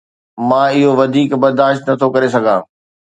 مان اهو وڌيڪ برداشت نٿو ڪري سگهان